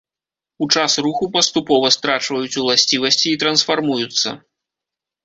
У час руху паступова страчваюць уласцівасці і трансфармуюцца.